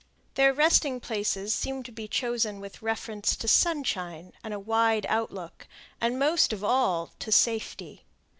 Their resting places seem to be chosen with reference to sunshine and a wide outlook, and most of all to safety.